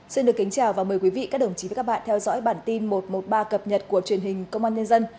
xin được kính chào và mời quý vị các đồng chí và các bạn theo dõi bản tin một trăm một mươi ba cập nhật của truyền hình công an nhân dân